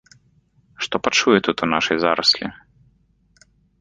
Што пачуе тут у нашай зараслі.